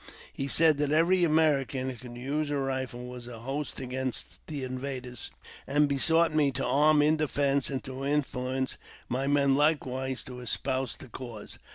He said that every American who could use a rifle was a host against the invaders, and besought me to arm in defence, and to influence my men likewise to espouse the cause.